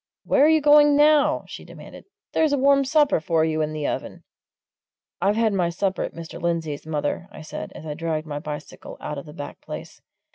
Where are you going now?" she demanded. "There's a warm supper for you in the oven!" "I've had my supper at Mr. Lindsey's, mother," I said, as I dragged my bicycle out of the back place.